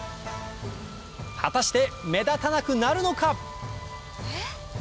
果たして目立たなくなるのか？